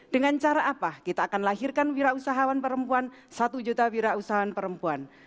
dengan cara apa kita akan lahirkan wirausahawan perempuan satu juta wirausahawan perempuan